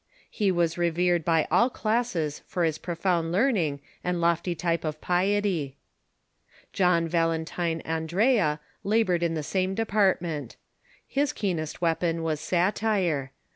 He was revered by all classes for his profound learning and lofty type of piety. John Valen tine Andrea labored in the same department. His keenest weapon was satire.